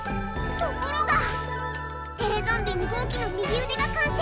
ところがテレゾンビ２号機の右うでがかんせい！